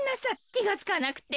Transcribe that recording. きがつかなくて。